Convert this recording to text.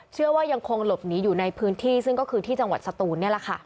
เชื่อว่ายังคงหลบหนีอยู่ในพื้นที่ซึ่งก็คือที่จังหวัดสตูนนี่แหละค่ะ